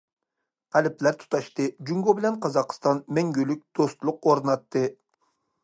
قەلبلەر تۇتاشتى، جۇڭگو بىلەن قازاقىستان مەڭگۈلۈك دوستلۇق ئورناتتى.